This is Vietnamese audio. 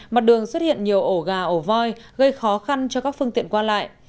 mặt đường xuất hiện nhiều ổ gà ổ voi gây khó khăn cho các phương tiện qua lại